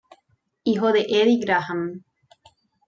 Hijo de Eddie Graham.